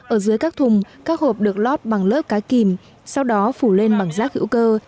ở dưới các thùng các hộp được lót bằng lớp cá kìm sau đó phủ lên bằng rác hữu cơ